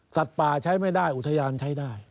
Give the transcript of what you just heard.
ป่าใช้ไม่ได้อุทยานใช้ได้